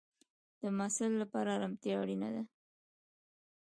د محصل لپاره ارامتیا اړینه ده.